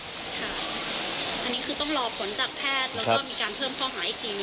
อันนี้คือต้องรอผลจากแพทย์แล้วก็มีการเพิ่มข้อหาอีกที